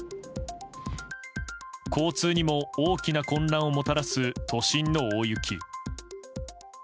交通にも大きな混乱をもたらす都心の大雪。